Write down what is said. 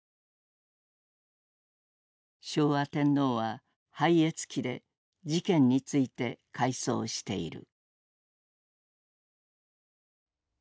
昭和天皇は「拝謁記」で事件について回想している。